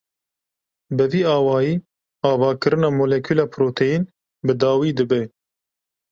Bi vî awayî avakirina molekûla proteîn bi dawî dibe.